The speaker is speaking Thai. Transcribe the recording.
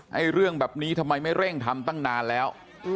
เรื่องแบบนี้ทำไมไม่เร่งทำตั้งนานแล้ว